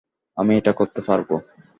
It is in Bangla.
আমি এটা করতে পারবো।